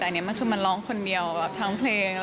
แต่อันนี้มันคือมันร้องคนเดียวแบบทั้งเพลง